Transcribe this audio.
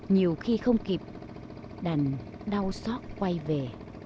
nhiều khi không kịp đành đau xót quay về